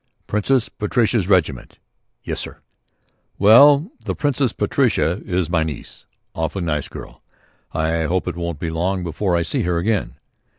"Princess Patricia's Regiment?" "Yes, sir." "Well, the Princess Patricia is my niece awfully nice girl. I hope it won't be long before I see her again."